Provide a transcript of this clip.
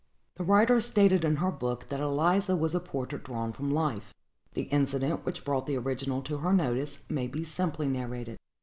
The writer stated in her book that Eliza was a portrait drawn from life. The incident which brought the original to her notice may be simply narrated.